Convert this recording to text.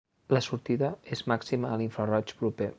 La sortida és màxima a l'infraroig proper.